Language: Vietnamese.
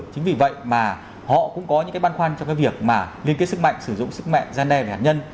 chính vì vậy mà họ cũng có những cái băn khoăn trong cái việc mà liên kết sức mạnh sử dụng sức mạnh gian đe về hạt nhân